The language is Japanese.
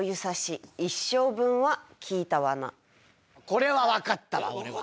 これはわかったわ俺は。